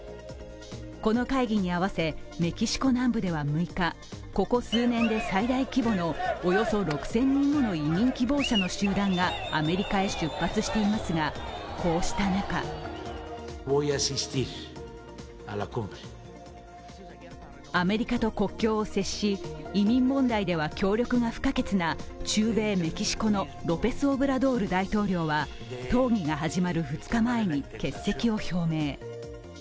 この会議に合わせメキシコ南部では６日ここ数年で最大規模のおよそ６０００人もの移民希望者の集団がアメリカへ出発していますがこうした中アメリカと国境を接し移民問題では協力が不可欠な中米メキシコのロペスオブラドール大統領は討議が始まる２日前に欠席を表明。